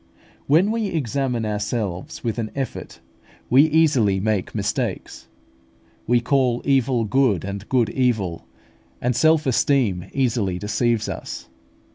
When we examine ourselves with an effort, we easily make mistakes. We "call evil good, and good evil;" and self esteem easily deceives us.